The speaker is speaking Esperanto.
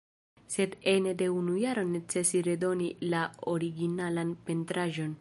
Sed ene de unu jaro necesis redoni la originalan pentraĵon.